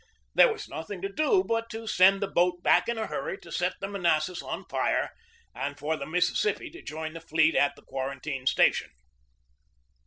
There was nothing to do but to send the boat back in a hurry to set the Manassas on fire, and for the Mississippi to join the fleet at the quarantine station.